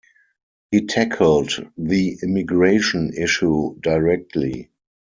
He tackled the immigration issue directly.